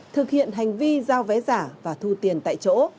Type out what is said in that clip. thực hiện hành vi giao vé giả và thu tiền tại chỗ